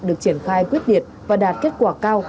được triển khai quyết liệt và đạt kết quả cao